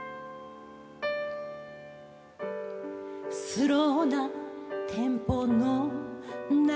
「スローなテンポの中で」